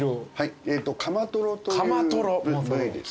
カマトロという部位ですね。